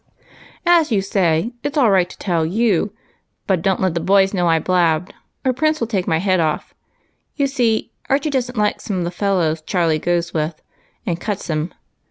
" As you say, it 's all right to tell yoic, but don't let the boys know I blabbed, or Prince will take my head off. You see, Archie don't like some of the fellows Charlie goes with, and cuts 'em.